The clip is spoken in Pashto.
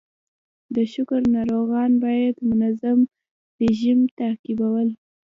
د شکر ناروغان باید منظم رژیم تعقیبول.